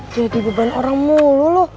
jadi beban orang mulu lo